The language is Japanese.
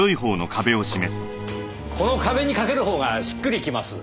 この壁に掛ける方がしっくりきます。